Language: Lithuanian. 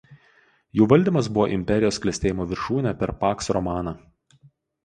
Jų valdymas buvo imperijos klestėjimo viršūnė per "Pax Romana".